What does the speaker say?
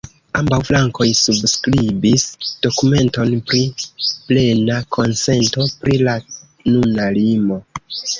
Ambaŭ flankoj subskribis dokumenton pri plena konsento pri la nuna limo.